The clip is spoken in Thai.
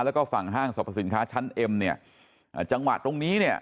แล้วก็ฝั่งห้างสรรพสินค้าชั้นเอ็มเนี่ยอ่าจังหวะตรงนี้เนี่ย